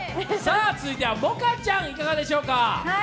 続いては萌歌ちゃんいかがでしょうか？